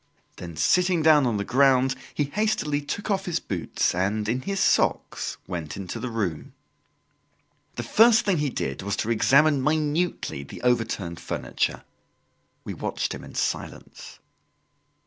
Then sitting down on the ground, he hastily took off his boots and, in his socks, went into the room. The first thing he did was to examine minutely the overturned furniture. We watched him in silence.